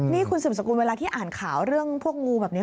นี่คุณสืบสกุลเวลาที่อ่านข่าวเรื่องพวกงูแบบนี้